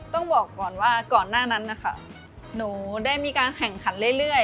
ต้องบอกก่อนว่าก่อนหน้านั้นนะคะหนูได้มีการแข่งขันเรื่อย